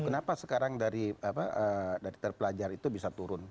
kenapa sekarang dari terpelajar itu bisa turun